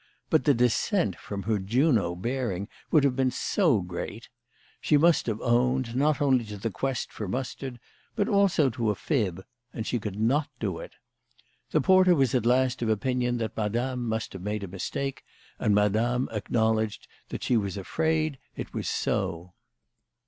But the descent from her Juno bearing would have been so great ! She must have owned, not only to the quest for mustard, but also to a fib, and she could not do it. The porter was at last of opinion that Madame must have made a mistake, and Madame acknowledged that she was afraid it was so.